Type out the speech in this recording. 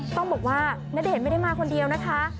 ต้องบอกว่าณเดชน์ไม่ได้มาคนเดียวนะคะ